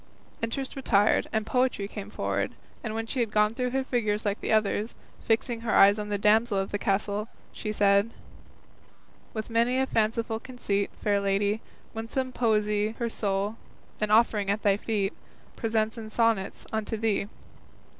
Interest retired, and Poetry came forward, and when she had gone through her figures like the others, fixing her eyes on the damsel of the castle, she said: With many a fanciful conceit, Fair Lady, winsome Poesy Her soul, an offering at thy feet, Presents in sonnets unto thee.